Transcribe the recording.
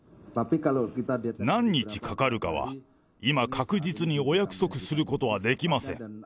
何日かかるかは、今、確実にお約束することはできません。